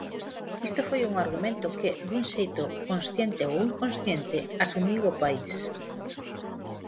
Isto foi un argumento que, dun xeito consciente ou inconsciente, asumiu o país.